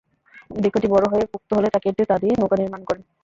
বৃক্ষটি বড় হয়ে পোক্ত হলে তা কেটে তা দিয়ে নৌকা নির্মাণ করেন।